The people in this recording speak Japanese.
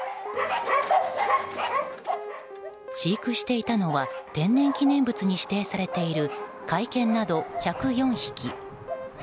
飼育していたのは天然記念物に指定されいてる甲斐犬など１０４匹。